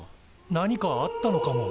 何かあったのかも。